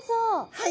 はい。